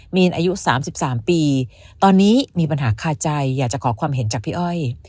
มีนอายุ๓๓ปีตอนนี้มีปัญหาคาใจอยากจะขอความเห็นจากพี่อ้อย